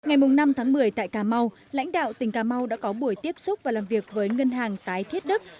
ngày năm tháng một mươi tại cà mau lãnh đạo tỉnh cà mau đã có buổi tiếp xúc và làm việc với ngân hàng tái thiết đất